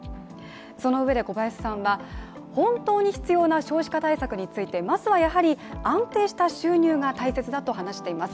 そのうえで小林さんは、本当に必要な少子化対策についてまずはやはり安定した収入が大切だと話しています。